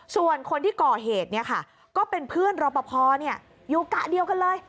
ส่วนคนที่ก่อเหตุก็เป็นเพื่อนรอปภอยู่กะเดียวกันเลย